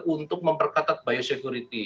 untuk memperkatat biosecurity